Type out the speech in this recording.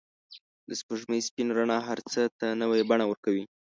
د سپوږمۍ سپین رڼا هر څه ته نوی بڼه ورکوي.